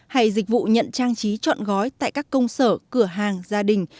hay dịch vụ nhận trang trí trọn gói tại các công sở cửa hàng gia đình